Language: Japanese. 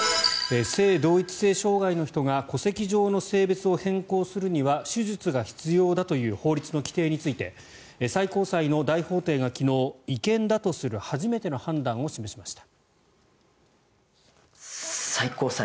性同一性障害の人が戸籍上の性別を変更するには手術が必要だという法律の規定について最高裁の大法廷が昨日違憲だとする初めての判断を示しました。